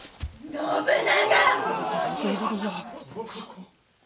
信長！